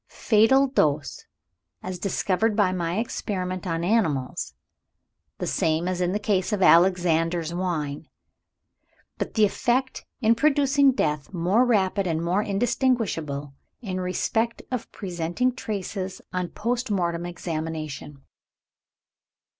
Fatal dose, as discovered by experiment on animals, the same as in the case of 'Alexander's Wine.' But the effect, in producing death, more rapid, and more indistinguishable, in respect of presenting traces on post mortem examination."